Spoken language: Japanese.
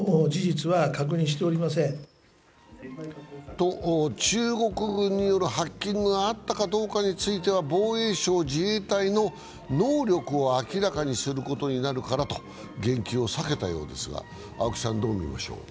と、中国軍によるハッキングがあったかどうかについては防衛省・自衛隊の能力を明らかにすることになるからと言及を避けたようですが青木さん、どう見ましょう？